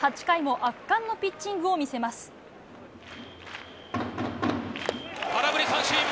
８回も圧巻のピッチングを見空振り三振！